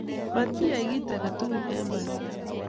Matiyai kit age tukul eng maket